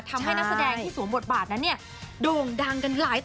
ทำให้นักแสดงที่สวมบทบาทด่งดังกันหลายต่อหลายคนเลย